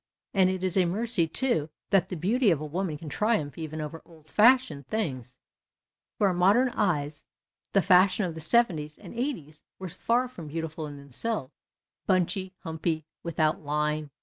And it is a mercy, too, that the beauty of woman can triumph even over " old fashioned " things. To our modern eyes the fashions of the '70"s and '80"s were far from beautiful in themselves — bunchy, humpy, without " line."